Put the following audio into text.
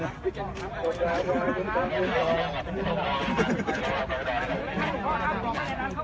มีผู้ที่ได้รับบาดเจ็บและถูกนำตัวส่งโรงพยาบาลเป็นผู้หญิงวัยกลางคน